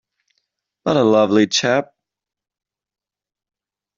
But a lovely chap!